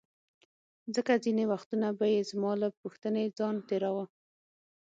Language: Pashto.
ځکه ځیني وختونه به یې زما له پوښتنې ځان تیراوه.